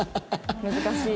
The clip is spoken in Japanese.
難しい。